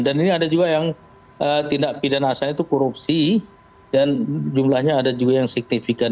dan ini ada juga yang tindak pidana asalnya itu korupsi dan jumlahnya ada juga yang signifikan